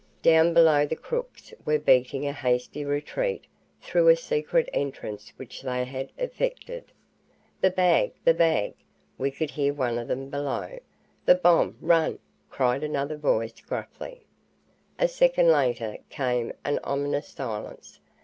Down below the crooks were beating a hasty retreat through a secret entrance which they had effected. "The bag! The bag!" we could hear one of them bellow. "The bomb run!" cried another voice gruffly. A second later came an ominous silence.